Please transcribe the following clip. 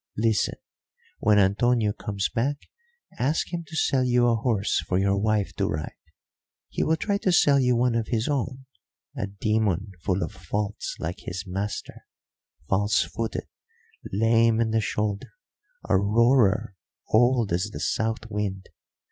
Listen. When Antonio comes back, ask him to sell you a horse for your wife to ride. He will try to sell you one of his own, a demon full of faults like his master; false footed, lame in the shoulder, a roarer, old as the south wind.